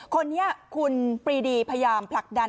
คนนี้คุณปรีดีพยายามผลักดัน